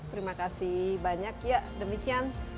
terima kasih banyak ya demikian